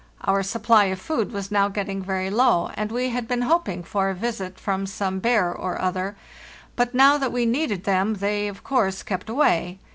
Our supply of food was now getting very low, and we had been hoping for a visit from some bear or other; but now that we needed them they of course kept away.